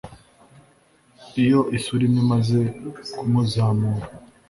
iyo isura imwe imaze kumuzamura,